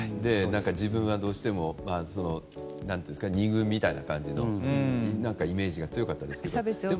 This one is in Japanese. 自分はどうしても２軍みたいな感じのイメージが強かったですけども。